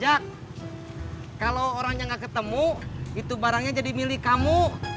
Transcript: ya kalau orangnya gak ketemu itu barangnya jadi milik kamu